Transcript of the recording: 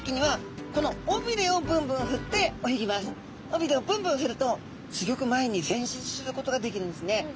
尾びれをブンブンふるとすギョく前に前進することができるんですね。